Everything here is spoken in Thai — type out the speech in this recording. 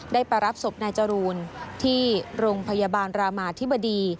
ไปรับศพนายจรูนที่โรงพยาบาลรามาธิบดี